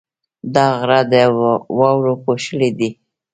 دا غره د واورو پوښلی دی.